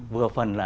vừa phần là